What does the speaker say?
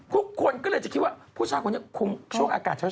ทุกคนก็เลยจะคิดว่าผู้ชายคนนี้คงช่วงอากาศเช้า